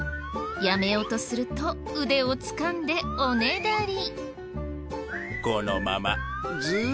やめようとすると腕をつかんでおねだり。